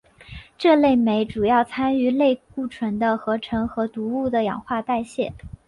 这类酶主要参与类固醇的合成和毒物的氧化代谢。